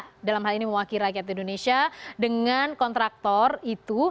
pemerintah dalam hal ini mewakili rakyat indonesia dengan kontraktor itu